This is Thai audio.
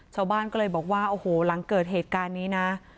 ชาวบ้านก็เลยบอกว่าโอ้โหหลังเกิดเหตุการณ์นี้นะ